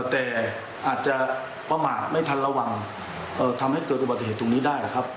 แต่อาจจะประมาทไม่ทันระวังทำให้เกิดอุบัติเหตุตรงนี้ได้ครับ